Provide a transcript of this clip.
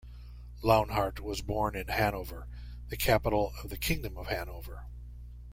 Launhardt was born in Hanover, the capital of the Kingdom of Hanover.